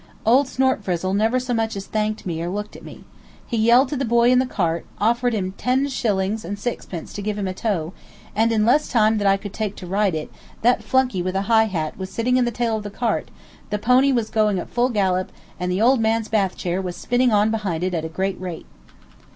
Old Snortfrizzle never so much as thanked me or looked at me. He yelled to the boy in the cart, offered him ten shillings and sixpence to give him a tow, and in less time than I could take to write it, that flunky with a high hat was sitting in the tail of the cart, the pony was going at full gallop, and the old man's bath chair was spinning on behind it at a great rate.